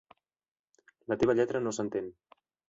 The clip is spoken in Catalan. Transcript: La teva lletra no s'entén.